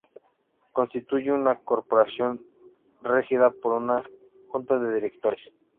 Constituye una corporación regida por una Junta de Directores.